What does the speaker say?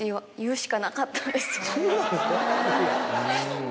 そうなんですか。